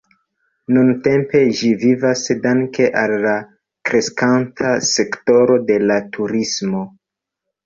Nuntempe ĝi vivas danke al la kreskanta sektoro de la turismo.